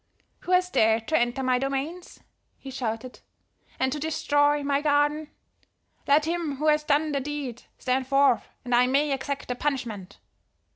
"'Who has dared to enter my domains?' he shouted. 'And to destroy my garden? Let him who has done the deed stand forth that I may exact the punishment!'